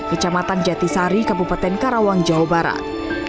kecamatan jatisari kabupaten karawang jawa barat